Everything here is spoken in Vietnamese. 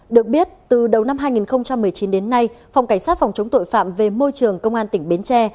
được biết từ đầu năm hai nghìn một mươi chín đến nay phòng cảnh sát phòng chống tội phạm về môi trường công an tỉnh bến tre